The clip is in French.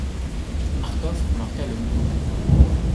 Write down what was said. Marcof remarqua le mouvement.